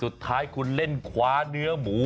สุดท้ายคุณเล่นคว้าเนื้อหมู